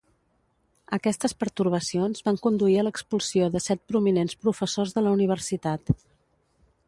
Aquestes pertorbacions van conduir a l'expulsió de set prominents professors de la universitat.